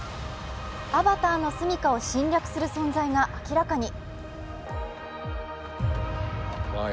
アバターの住みかを侵略する存在が明らかに。